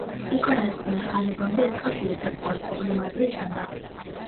უკანასკნელ ხანებამდის ეს კავშირი საკმაოდ პრობლემატური ჩანდა.